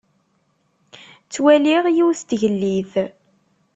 Ttwaliɣ yiwet n tgellidt.